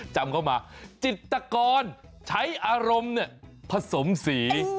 จำเข้ามาจิตกรใช้อารมณ์ผสมสี